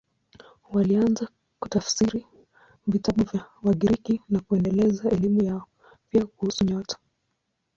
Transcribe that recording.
Walianza kutafsiri vitabu vya Wagiriki na kuendeleza elimu yao, pia kuhusu nyota.